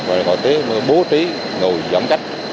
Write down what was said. phải bố trí ngồi giỏng cách